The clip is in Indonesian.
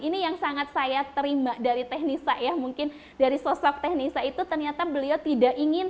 ini yang sangat saya terima dari teknisa ya mungkin dari sosok teknisa itu ternyata beliau tidak ingin